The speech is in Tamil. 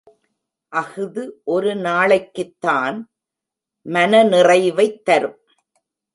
அஃது ஒரு நாளைக்குத்தான் மனநிறைவைத் தரும்.